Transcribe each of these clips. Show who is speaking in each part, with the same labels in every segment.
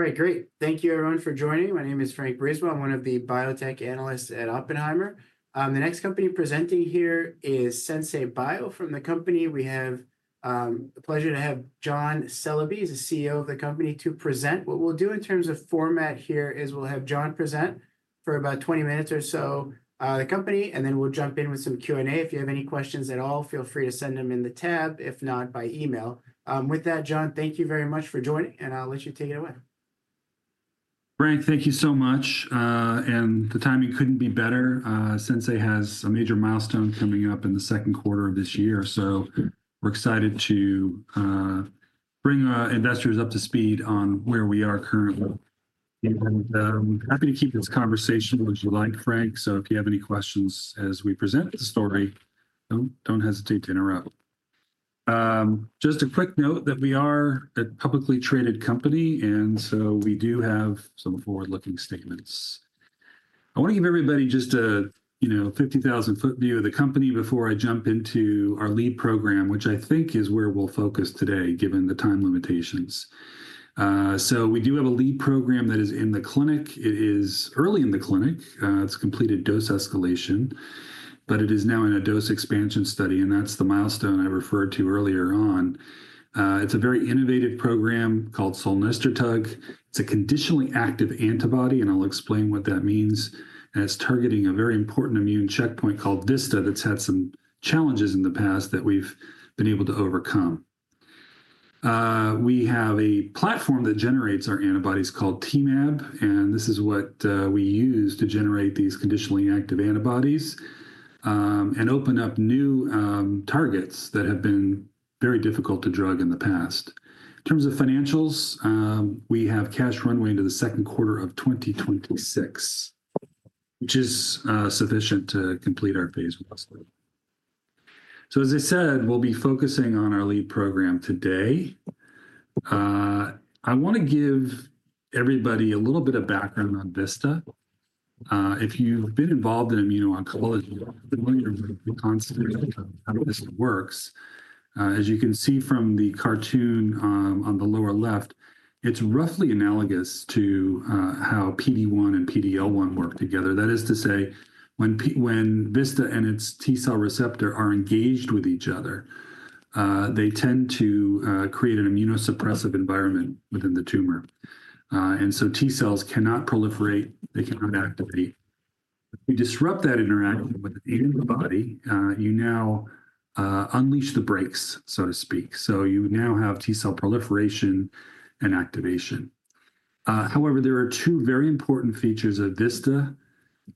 Speaker 1: All right, great. Thank you, everyone, for joining. My name is Frank Brisebois. I'm one of the biotech analysts at Oppenheimer. The next company presenting here is Sensei Biotherapeutics. From the company, we have the pleasure to have John Celebi, the CEO of the company, to present. What we'll do in terms of format here is we'll have John present for about 20 minutes or so the company, and then we'll jump in with some Q&A. If you have any questions at all, feel free to send them in the tab, if not by email. With that, John, thank you very much for joining, and I'll let you take it away.
Speaker 2: Frank, thank you so much. The timing could not be better. Sensei has a major milestone coming up in the second quarter of this year, so we are excited to bring investors up to speed on where we are currently. We are happy to keep this conversation with you, Frank. If you have any questions as we present the story, do not hesitate to interrupt. Just a quick note that we are a publicly traded company, and we do have some forward-looking statements. I want to give everybody just a 50,000-foot view of the company before I jump into our lead program, which I think is where we will focus today given the time limitations. We do have a lead program that is in the clinic. It is early in the clinic. It's completed dose escalation, but it is now in a dose expansion study, and that's the milestone I referred to earlier on. It's a very innovative program called solnerstotug. It's a conditionally active antibody, and I'll explain what that means. It's targeting a very important immune checkpoint called VISTA that's had some challenges in the past that we've been able to overcome. We have a platform that generates our antibodies called TMAb, and this is what we use to generate these conditionally active antibodies and open up new targets that have been very difficult to drug in the past. In terms of financials, we have cash runway into the second quarter of 2026, which is sufficient to complete our phase one. As I said, we'll be focusing on our lead program today. I want to give everybody a little bit of background on VISTA. If you've been involved in immuno-oncology, you're familiar with the concept of how VISTA works. As you can see from the cartoon on the lower left, it's roughly analogous to how PD-1 and PD-L1 work together. That is to say, when VISTA and its T-cell receptor are engaged with each other, they tend to create an immunosuppressive environment within the tumor. T-cells cannot proliferate. They cannot activate. If you disrupt that interaction within the body, you now unleash the brakes, so to speak. You now have T-cell proliferation and activation. However, there are two very important features of VISTA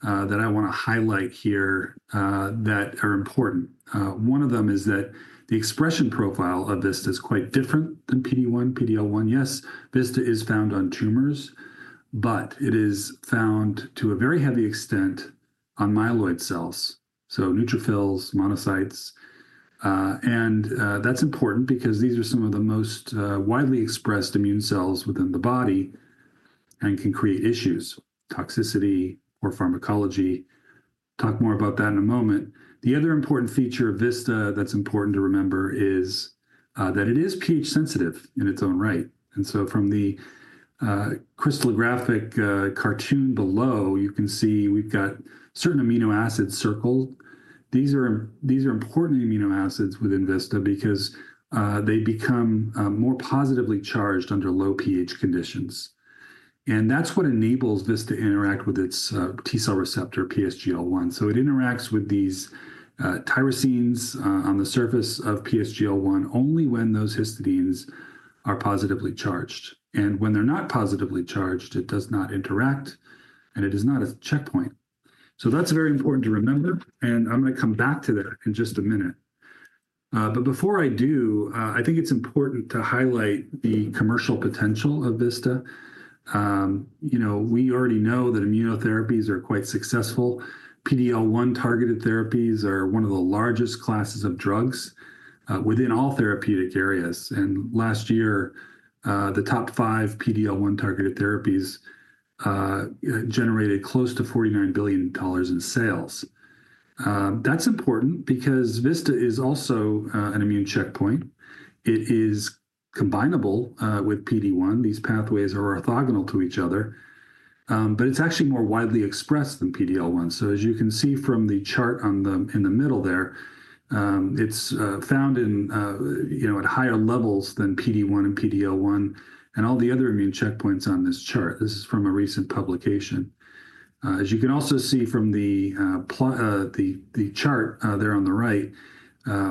Speaker 2: that I want to highlight here that are important. One of them is that the expression profile of VISTA is quite different than PD-1, PD-L1. Yes, VISTA is found on tumors, but it is found to a very heavy extent on myeloid cells, so neutrophils, monocytes. That's important because these are some of the most widely expressed immune cells within the body and can create issues, toxicity or pharmacology. I'll talk more about that in a moment. The other important feature of VISTA that's important to remember is that it is pH-sensitive in its own right. From the crystallographic cartoon below, you can see we've got certain amino acids circled. These are important amino acids within VISTA because they become more positively charged under low pH conditions. That's what enables VISTA to interact with its T-cell receptor, PSGL-1. It interacts with these tyrosines on the surface of PSGL-1 only when those histidines are positively charged. When they're not positively charged, it does not interact, and it is not a checkpoint. That's very important to remember, and I'm going to come back to that in just a minute. Before I do, I think it's important to highlight the commercial potential of VISTA. We already know that immunotherapies are quite successful. PD-L1 targeted therapies are one of the largest classes of drugs within all therapeutic areas. Last year, the top five PD-L1 targeted therapies generated close to $49 billion in sales. That's important because VISTA is also an immune checkpoint. It is combinable with PD-1. These pathways are orthogonal to each other, but it's actually more widely expressed than PD-L1. As you can see from the chart in the middle there, it's found at higher levels than PD-1 and PD-L1 and all the other immune checkpoints on this chart. This is from a recent publication. As you can also see from the chart there on the right,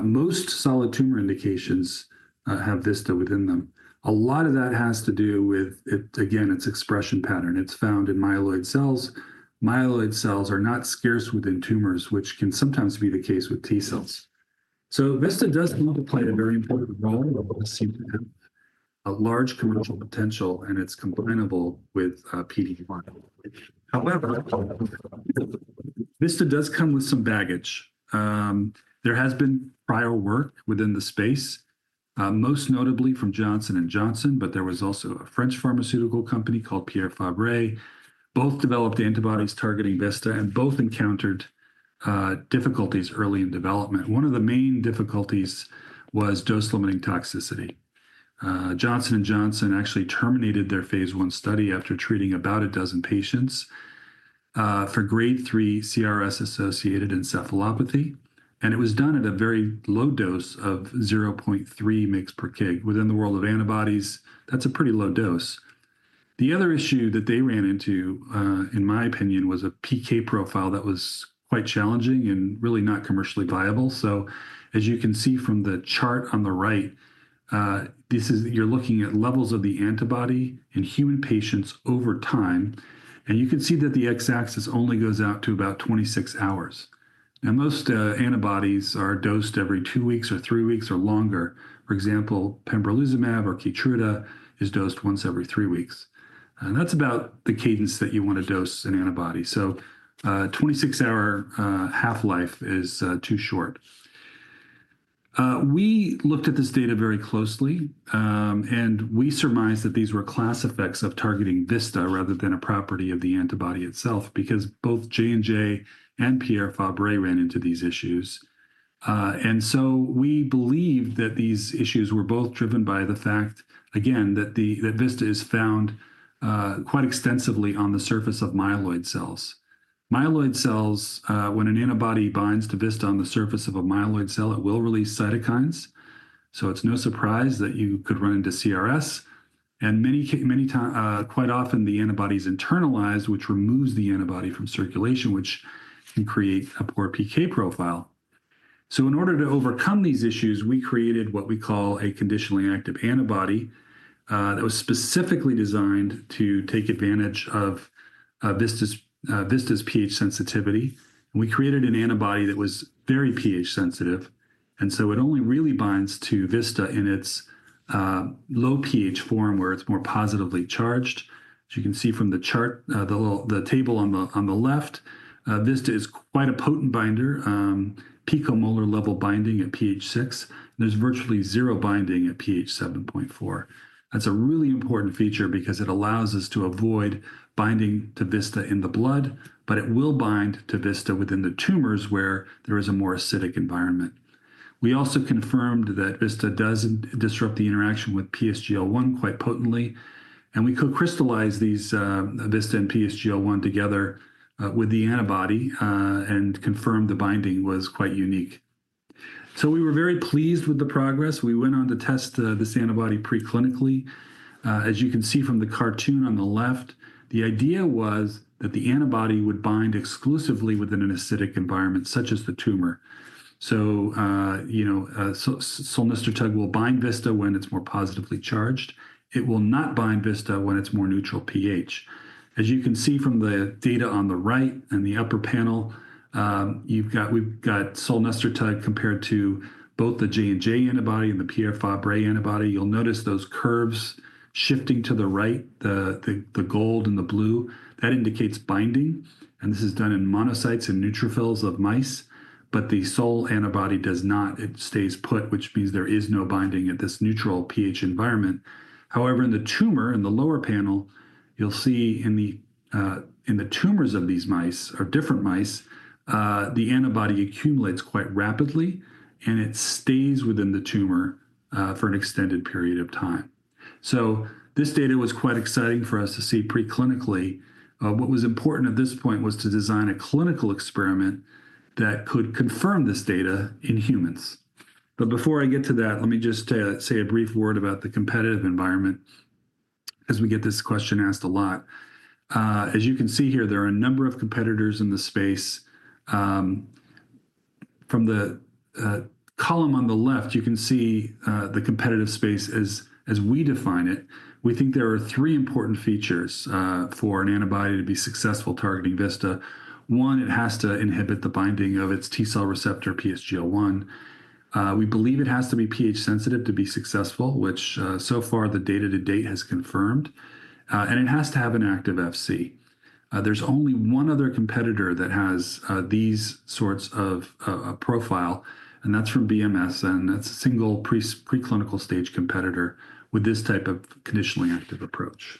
Speaker 2: most solid tumor indications have VISTA within them. A lot of that has to do with, again, its expression pattern. It's found in myeloid cells. Myeloid cells are not scarce within tumors, which can sometimes be the case with T-cells. So VISTA does play a very important role. It does seem to have a large commercial potential, and it's combinable with PD-1. However, VISTA does come with some baggage. There has been prior work within the space, most notably from Johnson & Johnson, but there was also a French pharmaceutical company called Pierre Fabre. Both developed antibodies targeting VISTA, and both encountered difficulties early in development. One of the main difficulties was dose-limiting toxicity. Johnson & Johnson actually terminated their phase I study after treating about a dozen patients for grade 3 CRS-associated encephalopathy. It was done at a very low dose of 0.3 mg/kg. Within the world of antibodies, that's a pretty low dose. The other issue that they ran into, in my opinion, was a PK profile that was quite challenging and really not commercially viable. As you can see from the chart on the right, you're looking at levels of the antibody in human patients over time. You can see that the x-axis only goes out to about 26 hours. Most antibodies are dosed every two weeks or three weeks or longer. For example, pembrolizumab or Keytruda is dosed once every three weeks. That's about the cadence that you want to dose an antibody. A 26-hour half-life is too short. We looked at this data very closely, and we surmised that these were class effects of targeting VISTA rather than a property of the antibody itself because both J&J and Pierre Fabre ran into these issues. We believe that these issues were both driven by the fact, again, that VISTA is found quite extensively on the surface of myeloid cells. Myeloid cells, when an antibody binds to VISTA on the surface of a myeloid cell, will release cytokines. It is no surprise that you could run into CRS. Quite often, the antibody is internalized, which removes the antibody from circulation, which can create a poor PK profile. In order to overcome these issues, we created what we call a conditionally active antibody that was specifically designed to take advantage of VISTA's pH sensitivity. We created an antibody that was very pH sensitive, and it only really binds to VISTA in its low pH form where it is more positively charged. As you can see from the chart, the table on the left, VISTA is quite a potent binder, picomolar-level binding at pH 6. There's virtually zero binding at pH 7.4. That's a really important feature because it allows us to avoid binding to VISTA in the blood, but it will bind to VISTA within the tumors where there is a more acidic environment. We also confirmed that VISTA does disrupt the interaction with PSGL-1 quite potently. We co-crystallized these VISTA and PSGL-1 together with the antibody and confirmed the binding was quite unique. We were very pleased with the progress. We went on to test this antibody preclinically. As you can see from the cartoon on the left, the idea was that the antibody would bind exclusively within an acidic environment such as the tumor. Solnerstotug will bind VISTA when it's more positively charged. It will not bind VISTA when it's more neutral pH. As you can see from the data on the right and the upper panel, we've got solnerstotug compared to both the J&J antibody and the Pierre Fabre antibody. You'll notice those curves shifting to the right, the gold and the blue. That indicates binding. This is done in monocytes and neutrophils of mice, but the solnerstotug antibody does not. It stays put, which means there is no binding at this neutral pH environment. However, in the tumor, in the lower panel, you'll see in the tumors of these mice, or different mice, the antibody accumulates quite rapidly, and it stays within the tumor for an extended period of time. This data was quite exciting for us to see preclinically. What was important at this point was to design a clinical experiment that could confirm this data in humans. Before I get to that, let me just say a brief word about the competitive environment as we get this question asked a lot. As you can see here, there are a number of competitors in the space. From the column on the left, you can see the competitive space as we define it. We think there are three important features for an antibody to be successful targeting VISTA. One, it has to inhibit the binding of its T-cell receptor, PSGL-1. We believe it has to be pH sensitive to be successful, which so far the data to date has confirmed. It has to have an active FC. There's only one other competitor that has these sorts of profile, and that's from BMS, and that's a single preclinical stage competitor with this type of conditionally active approach.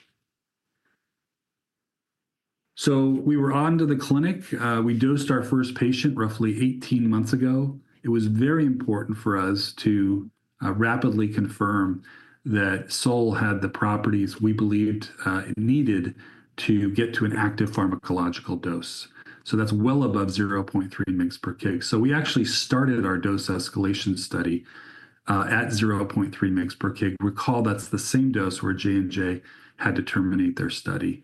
Speaker 2: We were on to the clinic. We dosed our first patient roughly 18 months ago. It was very important for us to rapidly confirm that solnerstotug had the properties we believed it needed to get to an active pharmacological dose. That is well above 0.3 mg/kg. We actually started our dose escalation study at 0.3 mg/kg. Recall that is the same dose where J&J had to terminate their study.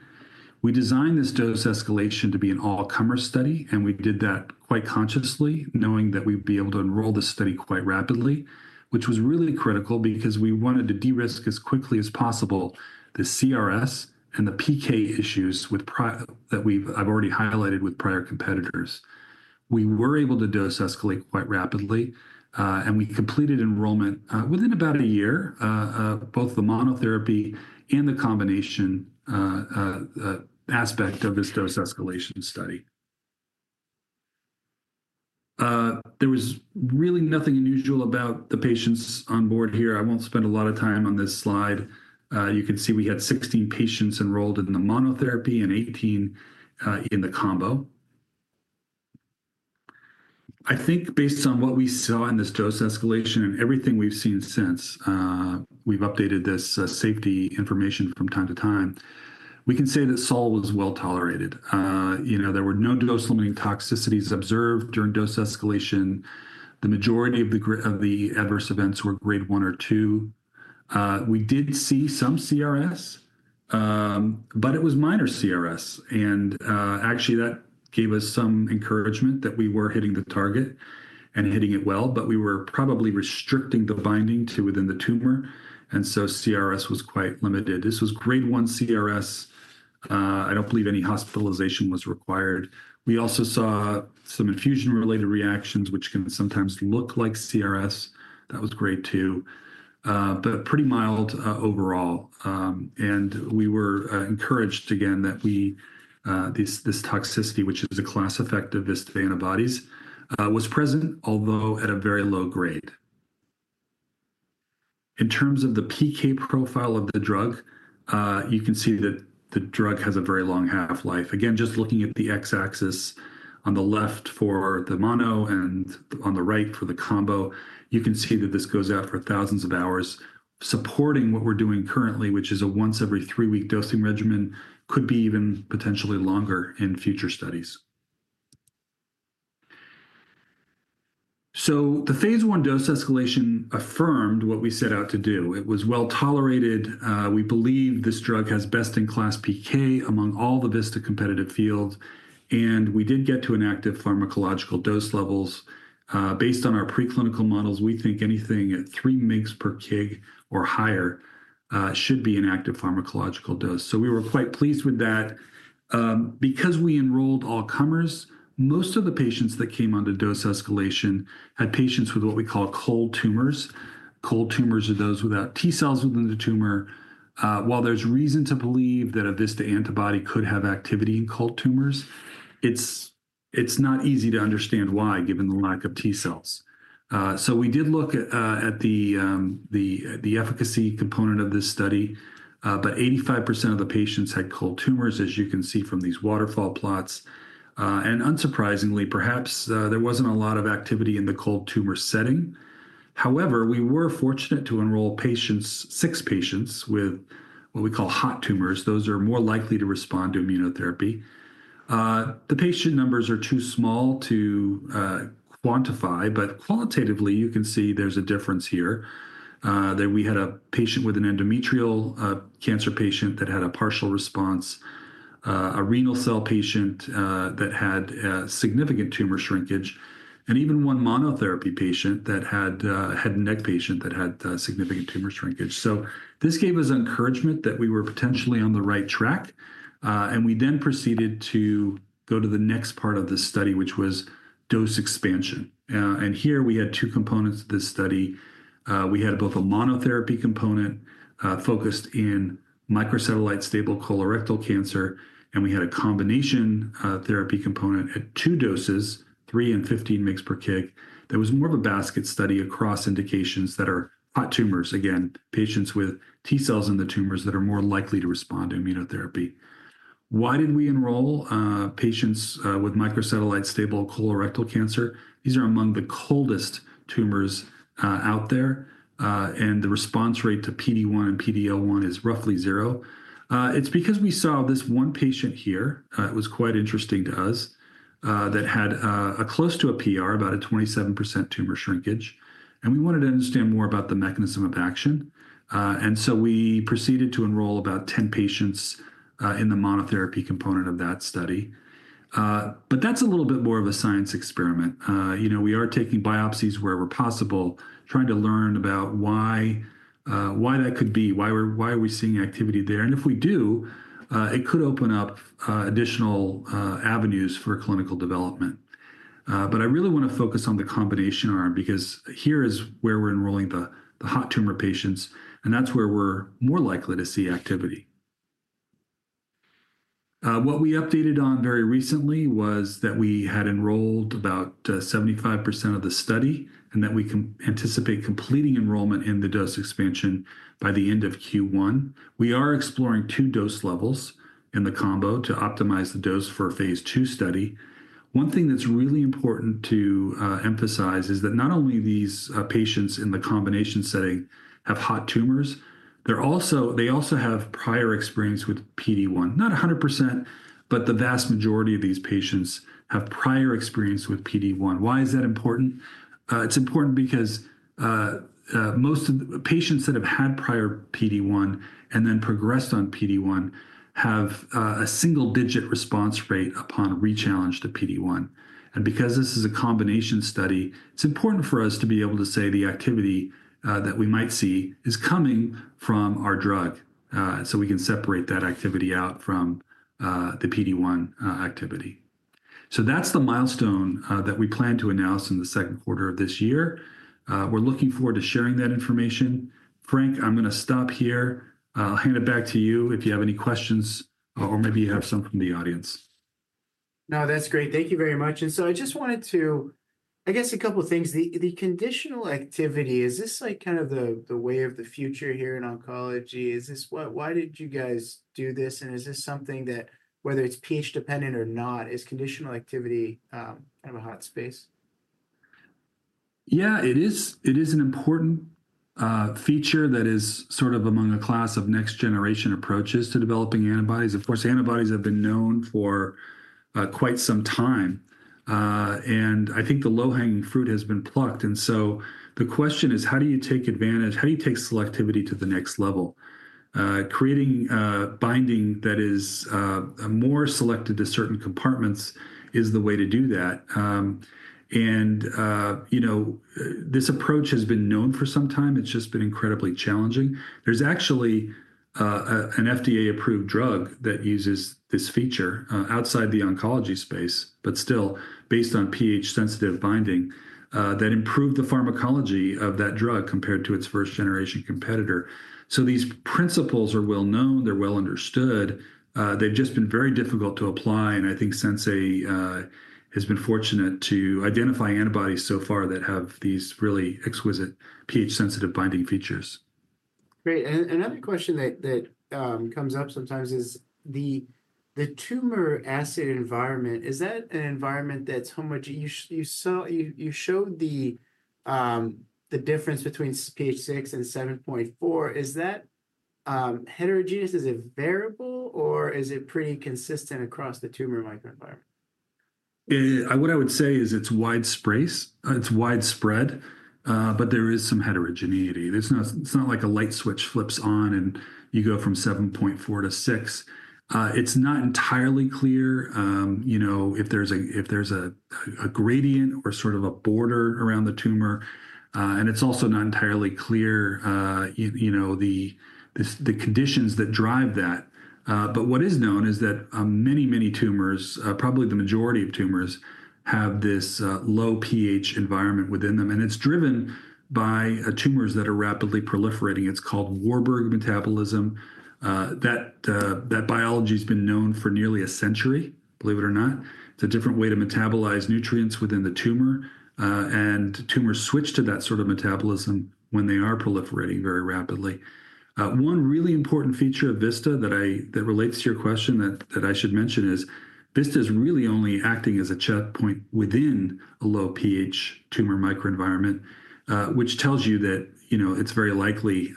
Speaker 2: We designed this dose escalation to be an all-comer study, and we did that quite consciously, knowing that we would be able to enroll the study quite rapidly, which was really critical because we wanted to de-risk as quickly as possible the CRS and the PK issues that I have already highlighted with prior competitors. We were able to dose escalate quite rapidly, and we completed enrollment within about a year, both the monotherapy and the combination aspect of this dose escalation study. There was really nothing unusual about the patients on board here. I won't spend a lot of time on this slide. You can see we had 16 patients enrolled in the monotherapy and 18 in the combo. I think based on what we saw in this dose escalation and everything we've seen since, we've updated this safety information from time to time, we can say that solnerstotug was well tolerated. There were no dose-limiting toxicities observed during dose escalation. The majority of the adverse events were grade 1 or 2. We did see some CRS, but it was minor CRS. Actually, that gave us some encouragement that we were hitting the target and hitting it well, but we were probably restricting the binding to within the tumor. CRS was quite limited. This was grade 1 CRS. I don't believe any hospitalization was required. We also saw some infusion-related reactions, which can sometimes look like CRS. That was grade 2, but pretty mild overall. We were encouraged again that this toxicity, which is a class effect of VISTA antibodies, was present, although at a very low grade. In terms of the PK profile of the drug, you can see that the drug has a very long half-life. Again, just looking at the x-axis on the left for the mono and on the right for the combo, you can see that this goes out for thousands of hours, supporting what we're doing currently, which is a once-every-three-week dosing regimen, could be even potentially longer in future studies. The phase one dose escalation affirmed what we set out to do. It was well tolerated. We believe this drug has best-in-class PK among all the ISTA competitive fields. We did get to inactive pharmacological dose levels. Based on our preclinical models, we think anything at 3 mg/kg or higher should be an active pharmacological dose. We were quite pleased with that. Because we enrolled all-comers, most of the patients that came on to dose escalation had patients with what we call cold tumors. Cold tumors are those without T-cells within the tumor. While there is reason to believe that a VISTA antibody could have activity in cold tumors, it is not easy to understand why, given the lack of T-cells. We did look at the efficacy component of this study, but 85% of the patients had cold tumors, as you can see from these waterfall plots. Unsurprisingly, perhaps there was not a lot of activity in the cold tumor setting. However, we were fortunate to enroll six patients with what we call hot tumors. Those are more likely to respond to immunotherapy. The patient numbers are too small to quantify, but qualitatively, you can see there's a difference here. We had a patient with an endometrial cancer patient that had a partial response, a renal cell patient that had significant tumor shrinkage, and even one monotherapy patient that had a head and neck patient that had significant tumor shrinkage. This gave us encouragement that we were potentially on the right track. We then proceeded to go to the next part of the study, which was dose expansion. Here, we had two components of this study. We had both a monotherapy component focused in microsatellite stable colorectal cancer, and we had a combination therapy component at two doses, 3 mg and 15 mg per kg. That was more of a basket study across indications that are hot tumors, again, patients with T-cells in the tumors that are more likely to respond to immunotherapy. Why did we enroll patients with microsatellite stable colorectal cancer? These are among the coldest tumors out there, and the response rate to PD-1 and PD-L1 is roughly zero. It's because we saw this one patient here. It was quite interesting to us that had a close to a PR, about a 27% tumor shrinkage. We wanted to understand more about the mechanism of action. We proceeded to enroll about 10 patients in the monotherapy component of that study. That is a little bit more of a science experiment. We are taking biopsies where we're possible, trying to learn about why that could be, why are we seeing activity there. If we do, it could open up additional avenues for clinical development. I really want to focus on the combination arm because here is where we're enrolling the hot tumor patients, and that's where we're more likely to see activity. What we updated on very recently was that we had enrolled about 75% of the study and that we can anticipate completing enrollment in the dose expansion by the end of Q1. We are exploring two dose levels in the combo to optimize the dose for a phase two study. One thing that's really important to emphasize is that not only do these patients in the combination setting have hot tumors, they also have prior experience with PD-1. Not 100%, but the vast majority of these patients have prior experience with PD-1. Why is that important? It's important because most of the patients that have had prior PD-1 and then progressed on PD-1 have a single-digit response rate upon re-challenge to PD-1. Because this is a combination study, it's important for us to be able to say the activity that we might see is coming from our drug so we can separate that activity out from the PD-1 activity. That's the milestone that we plan to announce in the second quarter of this year. We're looking forward to sharing that information. Frank, I'm going to stop here. I'll hand it back to you if you have any questions, or maybe you have some from the audience.
Speaker 1: No, that's great. Thank you very much. I just wanted to, I guess, a couple of things. The conditional activity, is this kind of the way of the future here in oncology? Why did you guys do this? And is this something that, whether it's pH dependent or not, is conditional activity kind of a hot space?
Speaker 2: Yeah, it is. It is an important feature that is sort of among a class of next-generation approaches to developing antibodies. Of course, antibodies have been known for quite some time. I think the low-hanging fruit has been plucked. The question is, how do you take advantage? How do you take selectivity to the next level? Creating binding that is more selected to certain compartments is the way to do that. This approach has been known for some time. It's just been incredibly challenging. There's actually an FDA-approved drug that uses this feature outside the oncology space, but still based on pH-sensitive binding that improved the pharmacology of that drug compared to its first-generation competitor. These principles are well known. They're well understood. They've just been very difficult to apply. I think Sensei has been fortunate to identify antibodies so far that have these really exquisite pH-sensitive binding features.
Speaker 1: Great. Another question that comes up sometimes is the tumor acid environment. Is that an environment that's, how much, you showed the difference between pH 6 and pH 7.4? Is that heterogeneous? Is it variable, or is it pretty consistent across the tumor microenvironment?
Speaker 2: What I would say is it's widespread. There is some heterogeneity. It's not like a light switch flips on and you go from pH 7.4-pH 6. It's not entirely clear if there's a gradient or sort of a border around the tumor. It's also not entirely clear the conditions that drive that. What is known is that many, many tumors, probably the majority of tumors, have this low pH environment within them. It is driven by tumors that are rapidly proliferating. It is called Warburg metabolism. That biology has been known for nearly a century, believe it or not. It is a different way to metabolize nutrients within the tumor. Tumors switch to that sort of metabolism when they are proliferating very rapidly. One really important feature of VISTA that relates to your question that I should mention is VISTA is really only acting as a checkpoint within a low pH tumor microenvironment, which tells you that it is very likely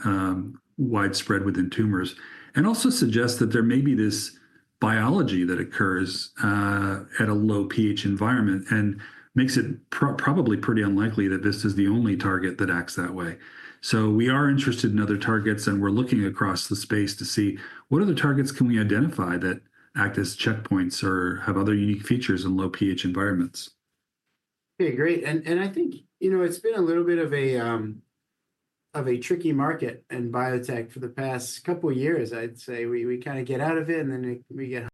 Speaker 2: widespread within tumors. It also suggests that there may be this biology that occurs at a low pH environment and makes it probably pretty unlikely that this is the only target that acts that way. We are interested in other targets, and we're looking across the space to see what other targets can we identify that act as checkpoints or have other unique features in low pH environments.
Speaker 1: Okay, great. I think it's been a little bit of a tricky market in biotech for the past couple of years, I'd say. We kind of get out of it, and then we get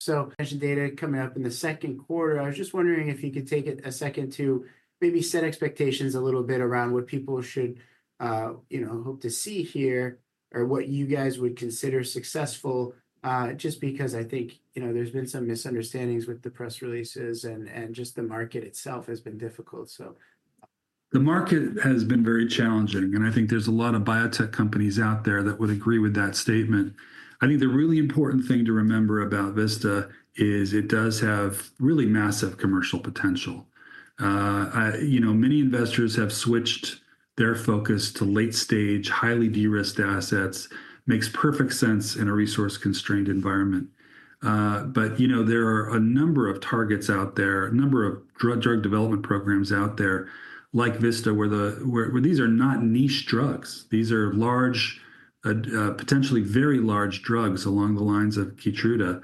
Speaker 1: some data coming up in the second quarter. I was just wondering if you could take a second to maybe set expectations a little bit around what people should hope to see here or what you guys would consider successful, just because I think there's been some misunderstandings with the press releases, and just the market itself has been difficult.
Speaker 2: The market has been very challenging. I think there are a lot of biotech companies out there that would agree with that statement. I think the really important thing to remember about VISTA is it does have really massive commercial potential. Many investors have switched their focus to late-stage, highly de-risked assets. Makes perfect sense in a resource-constrained environment. There are a number of targets out there, a number of drug development programs out there like VISTA, where these are not niche drugs. These are large, potentially very large drugs along the lines of Keytruda.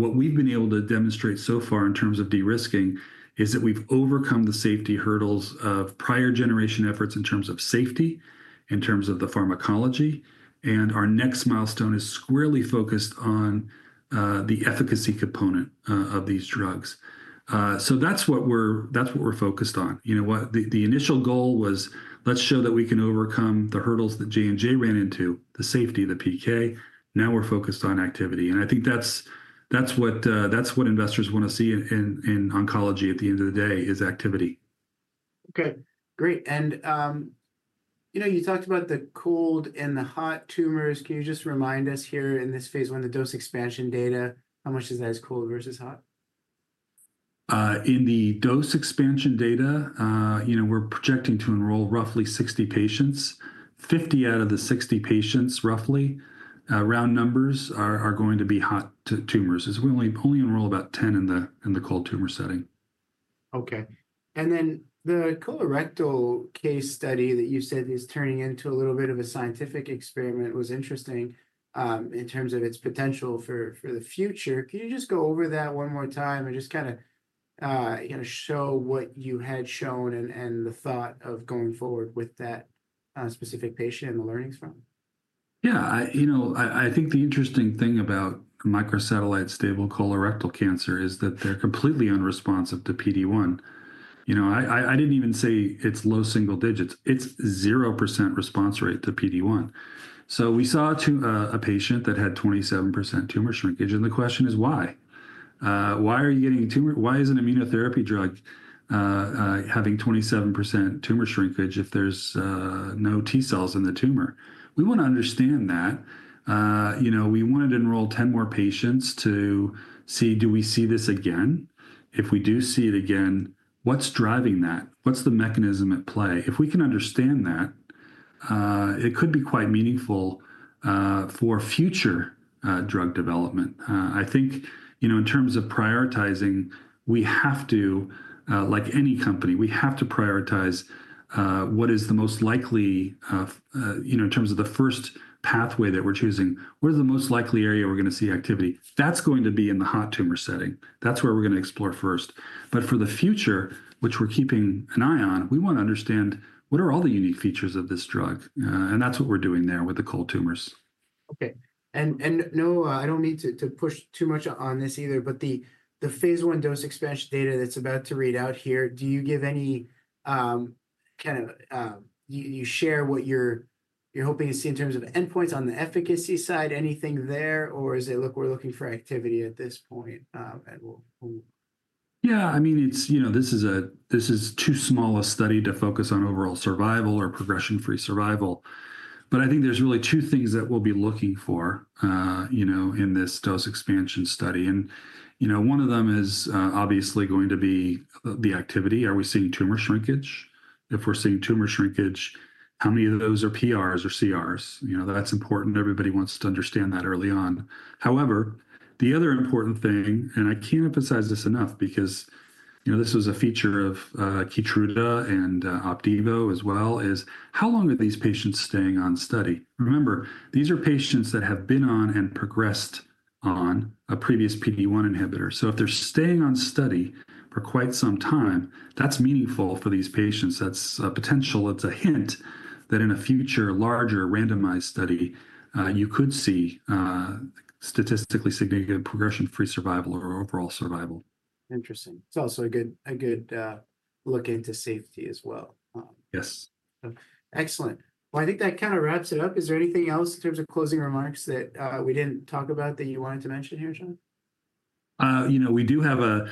Speaker 2: What we have been able to demonstrate so far in terms of de-risking is that we have overcome the safety hurdles of prior-generation efforts in terms of safety, in terms of the pharmacology. Our next milestone is squarely focused on the efficacy component of these drugs. That is what we are focused on. The initial goal was, let's show that we can overcome the hurdles that J&J ran into, the safety, the PK. Now we're focused on activity. I think that's what investors want to see in oncology at the end of the day is activity.
Speaker 1: Okay. Great. You talked about the cold and the hot tumors. Can you just remind us here in this phase one, the dose expansion data, how much is that as cold versus hot?
Speaker 2: In the dose expansion data, we're projecting to enroll roughly 60 patients. Fifty out of the 60 patients, roughly, round numbers are going to be hot tumors. We only enroll about 10 in the cold tumor setting.
Speaker 1: Okay. The colorectal case study that you said is turning into a little bit of a scientific experiment was interesting in terms of its potential for the future. Can you just go over that one more time and just kind of show what you had shown and the thought of going forward with that specific patient and the learnings from?
Speaker 2: Yeah. I think the interesting thing about microsatellite stable colorectal cancer is that they're completely unresponsive to PD-1. I didn't even say it's low single digits. It's 0% response rate to PD-1. We saw a patient that had 27% tumor shrinkage. The question is, why? Why are you getting a tumor? Why is an immunotherapy drug having 27% tumor shrinkage if there's no T cells in the tumor? We want to understand that. We wanted to enroll 10 more patients to see, do we see this again? If we do see it again, what's driving that? What's the mechanism at play? If we can understand that, it could be quite meaningful for future drug development. I think in terms of prioritizing, we have to, like any company, we have to prioritize what is the most likely in terms of the first pathway that we're choosing. What is the most likely area we're going to see activity? That's going to be in the hot tumor setting. That's where we're going to explore first. For the future, which we're keeping an eye on, we want to understand what are all the unique features of this drug. That's what we're doing there with the cold tumors.
Speaker 1: Okay. No, I don't need to push too much on this either. The phase one dose expansion data that's about to read out here, do you give any kind of, you share what you're hoping to see in terms of endpoints on the efficacy side, anything there? Is it, look, we're looking for activity at this point?
Speaker 3: Yeah. I mean, this is too small a study to focus on overall survival or progression-free survival. I think there's really two things that we'll be looking for in this dose expansion study. One of them is obviously going to be the activity. Are we seeing tumor shrinkage? If we're seeing tumor shrinkage, how many of those are PRs or CRs? That's important. Everybody wants to understand that early on. However, the other important thing, and I can't emphasize this enough because this was a feature of Keytruda and Opdivo as well, is how long are these patients staying on study? Remember, these are patients that have been on and progressed on a previous PD-1 inhibitor. If they're staying on study for quite some time, that's meaningful for these patients. That's a potential. It's a hint that in a future, larger randomized study, you could see statistically significant progression-free survival or overall survival.
Speaker 1: Interesting. It's also a good look into safety as well.
Speaker 2: Yes.
Speaker 1: Excellent. I think that kind of wraps it up. Is there anything else in terms of closing remarks that we didn't talk about that you wanted to mention here, John?
Speaker 2: We do have a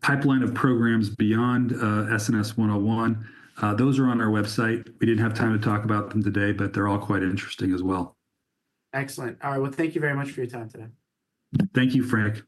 Speaker 2: pipeline of programs beyond SNS-101. Those are on our website. We didn't have time to talk about them today, but they're all quite interesting as well.
Speaker 1: Excellent. All right. Thank you very much for your time today.
Speaker 2: Thank you, Frank.